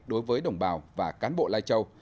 đối với đồng bào và cán bộ lai châu